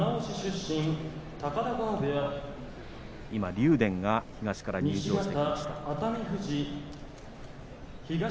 今、竜電が東から入場してきました。